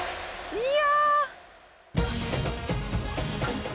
いや！